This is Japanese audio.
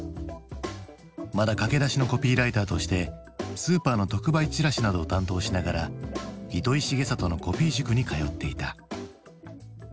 まだ駆け出しのコピーライターとしてスーパーの特売チラシなどを担当しながら糸井重里のコピー塾に通っていた。